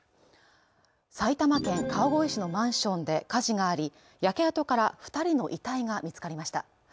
埼玉県川越市のマンションで火事があり、焼け跡から２人の遺体が見つかりました。